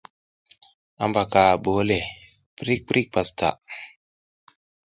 Hambaka bole le, prik prik pastaʼa.